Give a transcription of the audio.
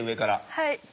はい。